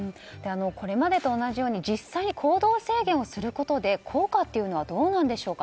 これまでと同じように実際に行動制限をすることで効果というのはどうなんでしょう。